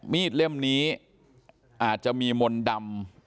เล่มนี้อาจจะมีมนต์ดำ